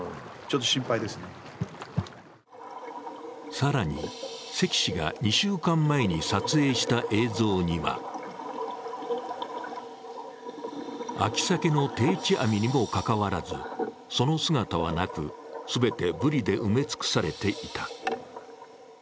更に、関氏が２週間前に撮影した映像には、秋鮭の定置網にもかかわらずその姿はなく全てブリで埋め尽くされていた。